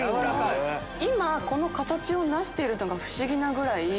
今この形を成してるのが不思議なぐらい。